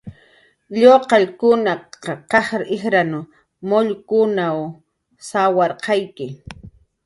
Lluqallkunaq q'aj ijran mullkunw sawshuwi